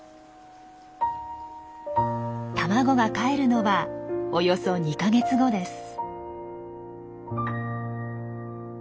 卵がかえるのはおよそ２か月後です。